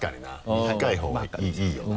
短い方がいいよな。